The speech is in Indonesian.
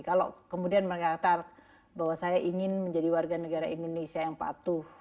kalau kemudian mereka kata bahwa saya ingin menjadi warga negara indonesia yang patuh